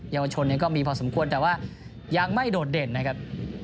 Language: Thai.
ยาวชนก็มีพอสมควรแต่ว่ายังไม่โดดเด่นนะครับ